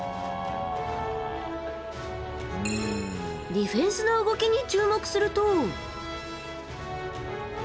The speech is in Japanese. ディフェンスの動きに注目すると。